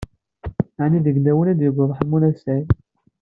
Ɛni deg lawan i d-yewweḍ Ḥemmu n At Sɛid?